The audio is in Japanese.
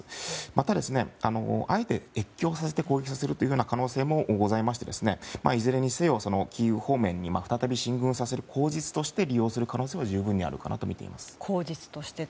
また、あえて越境させて攻撃させる可能性もございましていずれにせよキーウ方面に再び進軍させる口実として利用する可能性は十分、あると思います。